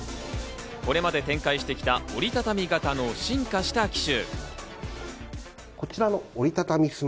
これまで展開してきた折りたたみ型の進化した機種。